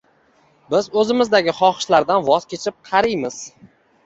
Biz o’zimizdagi xohishlardan voz kechib qariymiz.